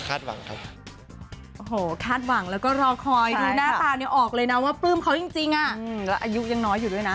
ในอนาคตอาจจะได้โรงงานกับน้อง